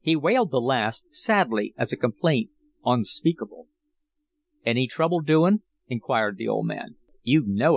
He wailed the last, sadly, as a complaint unspeakable. "Any trouble doin'?" inquired the old man. "You KNOW it!"